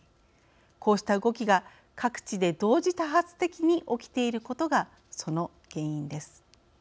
こうした動きが各地で同時多発的に起きていることがその原因です。